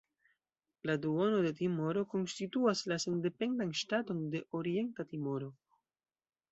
La duono de Timoro konstituas la sendependan ŝtaton de Orienta Timoro.